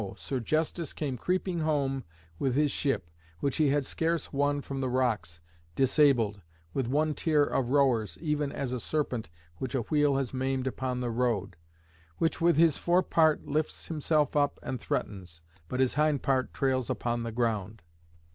Sergestus came creeping home with his ship, which he had scarce won from the rocks, disabled, with one tier of rowers, even as a serpent which a wheel has maimed upon the road, which with his fore part lifts himself up and threatens, but his hind part trails upon the ground.